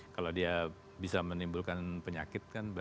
kalau dia bisa menimbulkan penyakit kan